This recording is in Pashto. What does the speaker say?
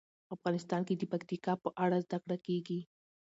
افغانستان کې د پکتیکا په اړه زده کړه کېږي.